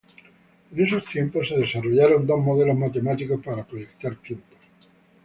En esos tiempos, se desarrollaron dos modelos matemáticos para proyectar tiempos.